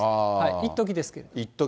いっときですけど。